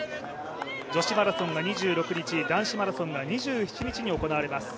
女子マラソンが２６日男子マラソンが２７日に行われます。